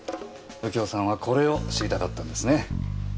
右京さんはこれを知りたかったんですね？